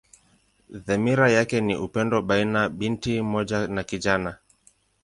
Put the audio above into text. Dhamira yake ni upendo baina binti mmoja na kijana.